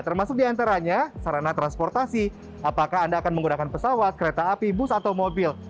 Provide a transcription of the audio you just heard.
termasuk diantaranya sarana transportasi apakah anda akan menggunakan pesawat kereta api bus atau mobil